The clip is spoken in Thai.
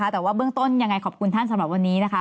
แต่ว่าเบื้องต้นยังไงขอบคุณท่านสำหรับวันนี้นะคะ